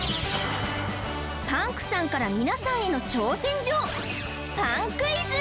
パンクさんから皆さんへの挑戦状